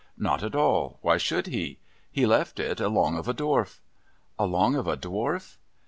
Not at all ; why should he ? He left it, along of a Dwarf. Along of a Dwarf?